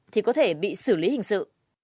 thì có thể bị xử lý hình sự